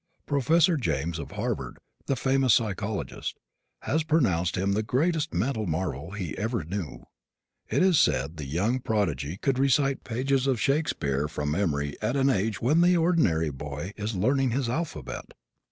Professor James, of Harvard, the famous psychologist, has pronounced him the greatest mental marvel he ever knew. It is said the young prodigy could recite pages of Shakespeare from memory at an age when the ordinary boy is learning his alphabet.